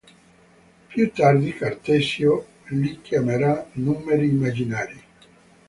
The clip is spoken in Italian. Più tardi Cartesio li chiamerà Numeri immaginari.